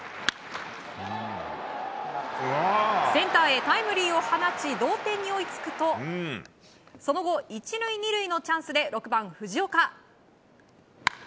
センターへタイムリーを放ち同点に追いつくとその後、１塁２塁のチャンスで６番、藤岡。